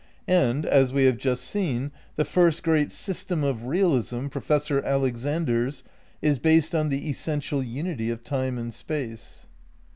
And, as we have just seen, the first great system of Realism, Pro fessor Alexander's, is based on the essential unity of Time and Space.